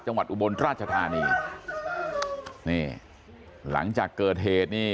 จังหวัดอุบลราชธานีหลังจากเกิดเหตุนี่